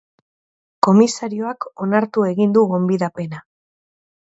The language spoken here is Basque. Komisarioak onartu egin du gonbidapena.